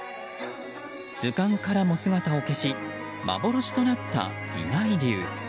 図鑑からも姿を消し幻となったイナイリュウ。